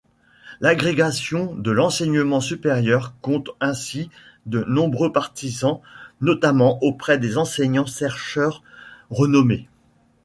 L'agrégation de l'enseignement supérieur compte ainsi de nombreux partisans, notamment auprès des enseignants-chercheurs renommés.